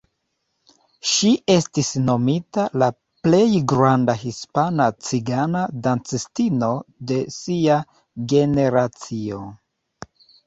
Ŝi estis nomita "la plej granda hispana cigana dancistino de sia generacio".